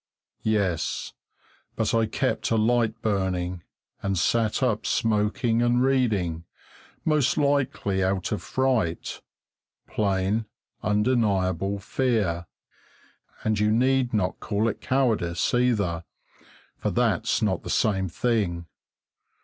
Yes, but I kept a light burning, and sat up smoking and reading, most likely out of fright; plain, undeniable fear, and you need not call it cowardice either, for that's not the same thing.